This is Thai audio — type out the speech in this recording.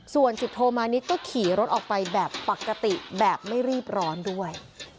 ส่วนสิบโทมานิดก็ขี่รถออกไปแบบปกติแบบไม่รีบร้อนด้วย